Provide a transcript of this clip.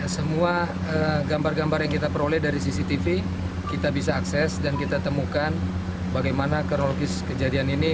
semua gambar gambar yang kita peroleh dari cctv kita bisa akses dan kita temukan bagaimana kronologis kejadian ini